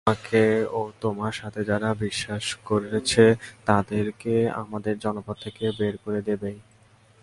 তোমাকে ও তোমার সাথে যারা বিশ্বাস করেছে তাদেরকে আমাদের জনপদ থেকে বের করে দেবই।